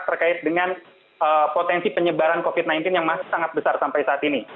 terkait dengan potensi penyebaran covid sembilan belas yang masih sangat besar sampai saat ini